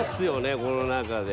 この中で。